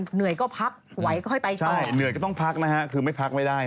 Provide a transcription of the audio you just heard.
เหนื่อยก็ต้องพักนะครับคือไม่พักไม่ได้น่ะ